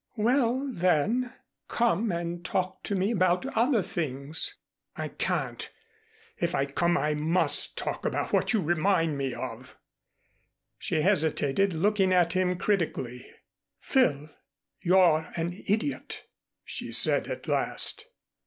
"Well, then, come and talk to me about other things." "I can't. If I come I must talk about what you remind me of." She hesitated, looking at him critically. "Phil, you're an idiot," she said at last.